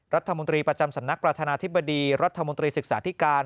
รัฐมนตรีประจำสำนักประธานาธิบดีรัฐมนตรีศึกษาธิการ